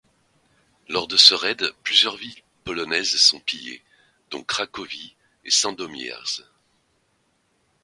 Lors de ce raid, plusieurs villes polonaises sont pillées, dont Cracovie et Sandomierz.